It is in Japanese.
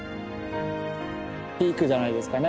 ピークじゃないですかね